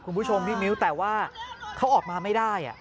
คุณผู้ชมพี่มิ้วแต่ว่าเขาออกมาไม่ได้